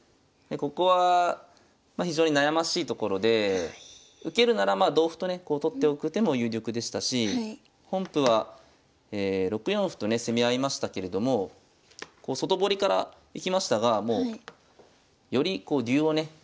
ここは非常に悩ましいところで受けるならまあ同歩とね取っておく手も有力でしたし本譜は６四歩とね攻め合いましたけれども外堀からいきましたがより竜をね